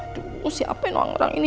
aduh siapain orang ini